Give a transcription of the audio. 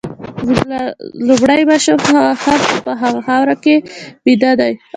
زما لومړی ماشوم هم په هغه خاوره کي بیده دی